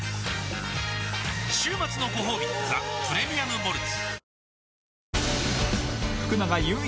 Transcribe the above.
週末のごほうび「ザ・プレミアム・モルツ」